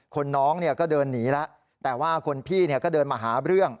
น้องก็เดินหนีแล้วแต่ว่าคนพี่ก็เดินมาหาเรื่อง